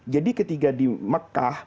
jadi ketika di mekah